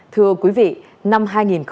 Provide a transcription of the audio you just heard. thưa quý vị năm hai nghìn hai mươi ba